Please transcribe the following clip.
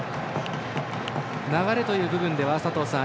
流れという部分では、佐藤さん